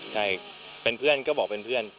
ใช่เป็นเพื่อนก็บอกเป็นเพื่อน